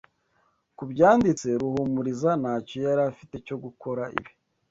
Kubyanditse, Ruhumuriza ntacyo yari afite cyo gukora ibi.